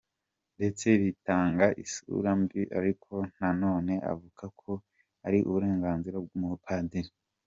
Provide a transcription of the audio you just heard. ndetse bitanga isura mbi ariko na none avuga ko ari uburenganzira bwumupadiri.